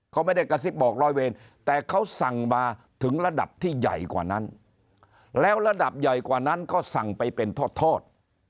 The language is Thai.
เขาไม่ได้กระซิบบอกร้อยเวรแต่เขาสั่งมาถึงระดับที่ใหญ่กว่านั้นแล้วระดับใหญ่กว่านั้นก็สั่งไปเป็นทอด